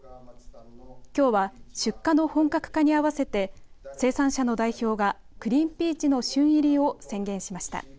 きょうは出荷の本格化に合わせて生産者の代表がクリーンピーチの旬入りを宣言しました。